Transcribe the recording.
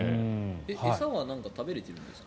餌は食べれてるんですか？